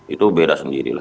itu beda sendiri lah